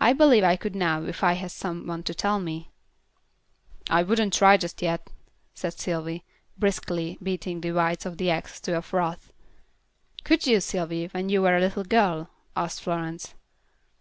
I believe I could now if I had some one to tell me." "I wouldn't try just yet," said Sylvy, briskly beating the whites of the eggs to a froth. "Could you, Sylvy, when you were a little girl?" asked Florence.